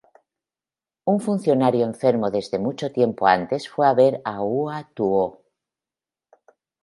Un funcionario enfermo desde mucho tiempo antes fue a ver a Hua Tuo.